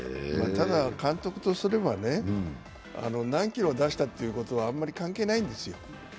ただ、監督とすれば何キロ出したということはあんまり関係ないんですよ。